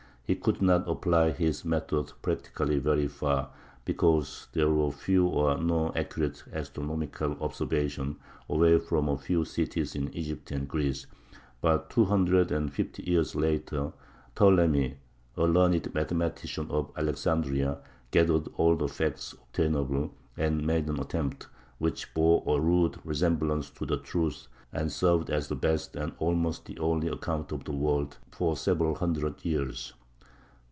He could not apply his method practically very far, because there were few or no accurate astronomical observations away from a few cities in Egypt and Greece; but two hundred and fifty years later Ptolemy, a learned mathematician of Alexandria, gathered all the facts obtainable, and made an attempt which bore a rude resemblance to the truth and served as the best and almost the only account of the world for several hundred years.